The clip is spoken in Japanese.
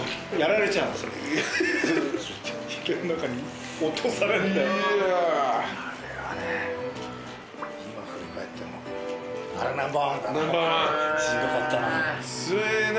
しんどかったな。